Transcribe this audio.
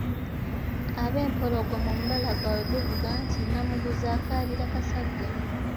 Abempologoma omubala gwabwe guvuga nti, “Namuguzi akaabira Kasagga."